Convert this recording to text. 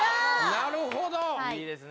なるほどいいですね